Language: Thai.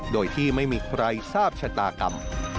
โดยที่ไม่มีใครทราบชะตากรรม